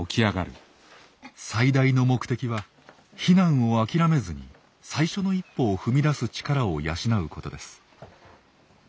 最大の目的は避難を諦めずに最初の一歩を踏み出す力を養うことです。